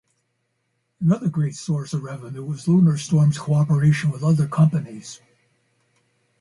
Another great source of revenue was LunarStorm's cooperation with other companies.